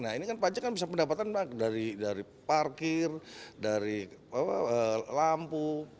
nah ini kan pajak kan bisa pendapatan dari parkir dari lampu